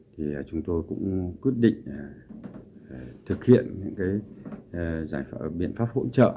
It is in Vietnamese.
thì chúng tôi cũng quyết định thực hiện những biện pháp hỗ trợ